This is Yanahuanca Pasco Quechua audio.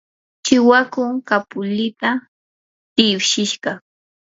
chiwakum kapulita tiwshishqa.